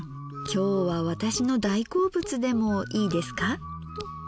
今日は私の大好物でもいいですか。